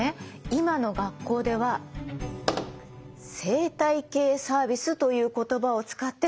今の学校では生態系サービスという言葉を使ってそのことを学んでるの。